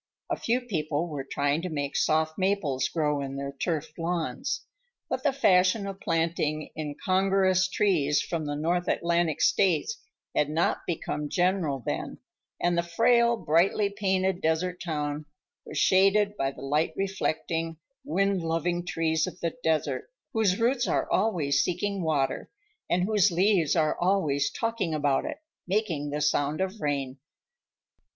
A few people were trying to make soft maples grow in their turfed lawns, but the fashion of planting incongruous trees from the North Atlantic States had not become general then, and the frail, brightly painted desert town was shaded by the light reflecting, wind loving trees of the desert, whose roots are always seeking water and whose leaves are always talking about it, making the sound of rain.